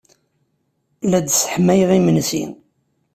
La d-sseḥmayeɣ imensi.